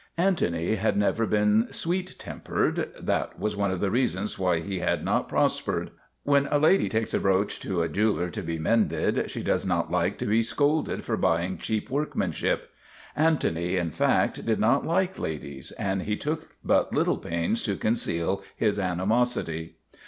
Antony had never been sweet tempered. That was one of the reasons why he had not prospered. When a lady takes a brooch to a jeweler to be mended, she does not like to be scolded for buying cheap workmanship. Antony, in fact, did not like ladies and he took but little pains to conceal his animosity.